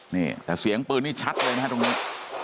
นี่แต่เสียงปืนนี่ชัดเลยนะฮะตรงนี้